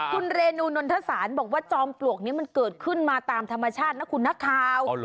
คุณเรนูนนทศาลบอกว่าจอมปลวกนี้มันเกิดขึ้นมาตามธรรมชาตินะคุณนักข่าว